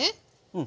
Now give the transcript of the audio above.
うん。